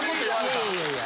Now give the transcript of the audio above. いやいやいや。